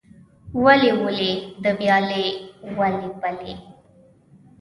ولي ولې د ویالې ولې ولې؟